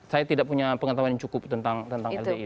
saya tidak punya pengetahuan yang cukup tentang lbi